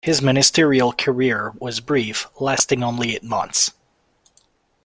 His ministerial career was brief, lasting only eight months.